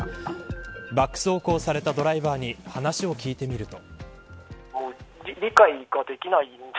バック走行されたドライバーに話を聞いてみると。